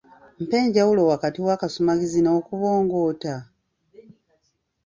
Mpa enjawulo wakati w'akasumagizi n'okubongoota?